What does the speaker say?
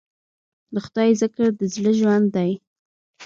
د خدای ذکر د زړه ژوند دی.